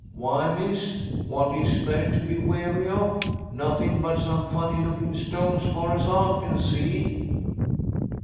"Why, miss, what is there to be wary of? Nothin' but some funny lookin' stones, far as I can see."